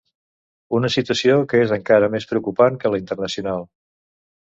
Una situació que és encara més preocupant que la internacional.